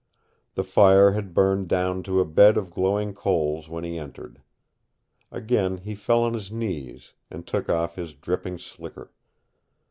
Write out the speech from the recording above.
The fire had burned down to a bed of glowing coals when he entered. Again he fell on his knees, and took off his dripping slicker.